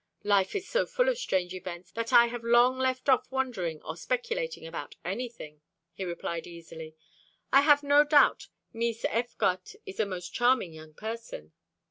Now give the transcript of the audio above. "Life is so full of strange events that I have long left off wondering or speculating about anything," he replied easily. "I have no doubt Mees Effecotte is a most charming young person."